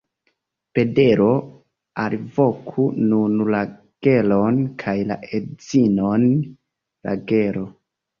Pedelo, alvoku nun Ragelon kaj la edzinon Ragelo.